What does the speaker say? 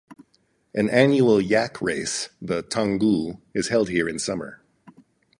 An annual yak race, the "Thangu" is held here in summer.